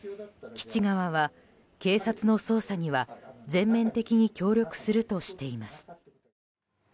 基地側は、警察の捜査には全面的に協力するとしています。